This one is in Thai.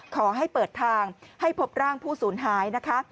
ขอให้เปิดทางให้พบร่างผู้สูญหายนะคะ